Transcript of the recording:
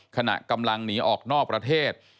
ขณะกำลังหนีออกนอกประเทศ